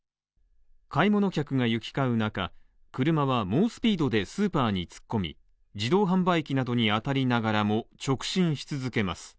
買い物客が行き交う中、車は猛スピードでスーパーに突っ込み、自動販売機などに当たりながらも、直進し続けます。